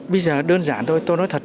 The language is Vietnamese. bây giờ đơn giản thôi tôi nói thật đấy